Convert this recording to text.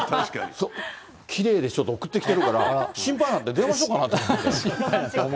きれいでしょって送ってきてるから、心配になって、電話しようかなと思って。